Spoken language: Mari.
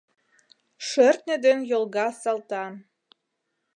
Шӧртньӧ ден йолга Салтан